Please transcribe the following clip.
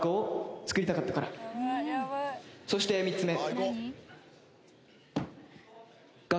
そして３つ目。